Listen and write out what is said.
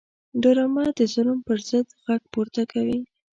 ډرامه د ظلم پر ضد غږ پورته کوي